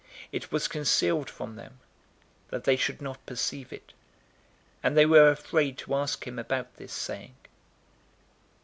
It was concealed from them, that they should not perceive it, and they were afraid to ask him about this saying.